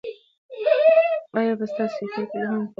ایا په ستاسو کلي کې لا هم ګودر شته؟